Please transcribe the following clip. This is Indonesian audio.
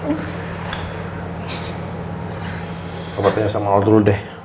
aku bakal tanya sama lo dulu deh